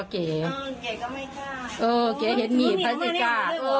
เก๋ก็ไม่กล้าเออเก๋เห็นมีพัฒน์กล้าเออ